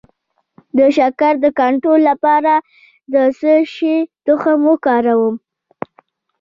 د شکر د کنټرول لپاره د څه شي تخم وکاروم؟